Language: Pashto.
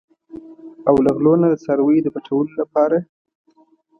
او له غلو نه د څارویو د پټولو لپاره.